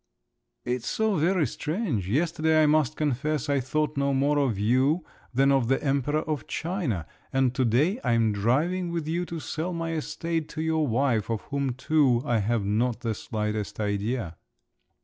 "It's so very strange. Yesterday I must confess I thought no more of you than of the Emperor of China, and to day I'm driving with you to sell my estate to your wife, of whom, too, I have not the slightest idea."